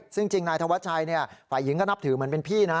ซึ่งจริงนายธวัชชัยฝ่ายหญิงก็นับถือเหมือนเป็นพี่นะ